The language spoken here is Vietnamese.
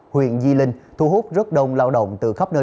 huyện di linh thu hút rất đông lao động từ khu vực này